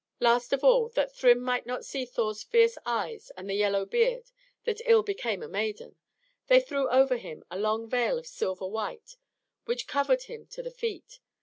Last of all, that Thrym might not see Thor's fierce eyes and the yellow beard, that ill became a maiden, they threw over him a long veil of silver white which covered him to the feet.